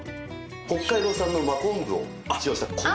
北海道産の真昆布を使用した昆布エキス。